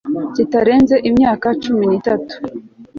kitarenze imyaka cumi n itanu